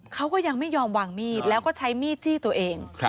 เขาก็ยังไม่ยอมวางมีดแล้วก็ใช้มีดจี้ตัวเอง